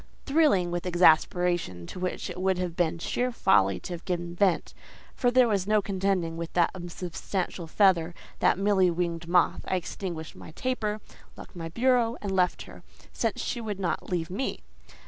Thrilling with exasperation, to which it would have been sheer folly to have given vent—for there was no contending with that unsubstantial feather, that mealy winged moth—I extinguished my taper, locked my bureau, and left her, since she would not leave me.